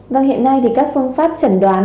và hiện nay thì các phương pháp chẩn đoán